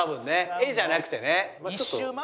絵じゃなくてね。